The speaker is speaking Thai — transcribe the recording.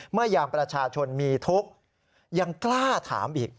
ยามประชาชนมีทุกข์ยังกล้าถามอีก